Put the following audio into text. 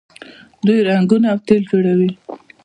دوی رنګونه او تیل جوړوي.